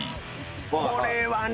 これはね